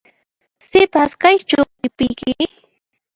Sipas, kaychu q'ipiyki?